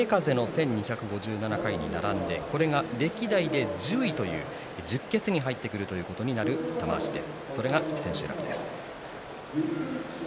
千秋楽、豪風の１２５７回に並んでこれが歴代で１０位という十傑に入るという玉鷲です。